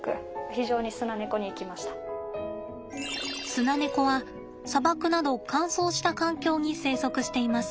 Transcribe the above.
スナネコは砂漠など乾燥した環境に生息しています。